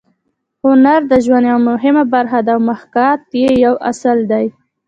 هنر د ژوند یوه مهمه برخه ده او محاکات یې یو اصل دی